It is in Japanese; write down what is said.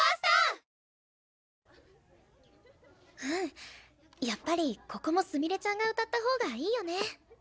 うんやっぱりここもすみれちゃんが歌った方がいいよね。